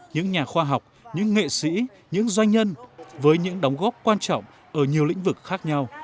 những nhà khoa học những nghệ sĩ những doanh nhân với những đóng góp quan trọng ở nhiều lĩnh vực khác nhau